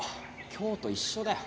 今日と一緒だよ。